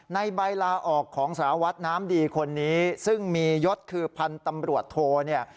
ในใบลาออกของสารวัตรน้ำดีคนนี้ซึ่งมียศคือพันธุ์ตำรวจโทเนี่ย